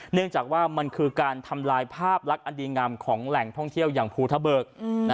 เนื่องจากว่ามันคือการทำลายภาพลักษณ์อันดีงามของแหล่งท่องเที่ยวอย่างภูทะเบิก